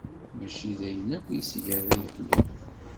Mačči d ayen akk iseg ara yeḥlu.